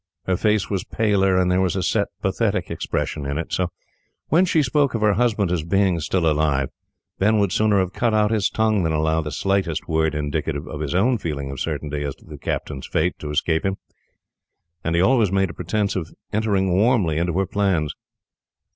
Her face was paler, and there was a set, pathetic expression in it; so, when she spoke of her husband as being still alive, Ben would sooner have cut out his tongue than allow the slightest word, indicative of his own feeling of certainty as to the captain's fate, to escape him; and he always made a pretence of entering warmly into her plans.